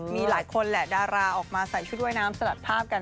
มีหลายคนแหละดาราออกมาใส่ชุดว่ายน้ำสลัดภาพกัน